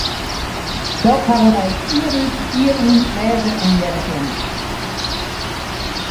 Dat hawwe wy jier út, jier yn lêze en hearre kinnen.